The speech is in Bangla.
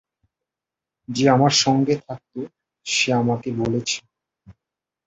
যে আমার সঙ্গে থাকত, সে আমাকে বলেছে।